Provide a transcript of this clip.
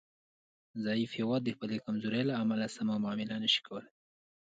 ضعیف هیواد د خپلې کمزورۍ له امله سمه معامله نشي کولای